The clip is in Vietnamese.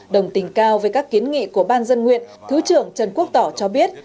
đồng tình cao với các kiến nghị của ban dân nguyện thứ trưởng trần quốc tỏ cho biết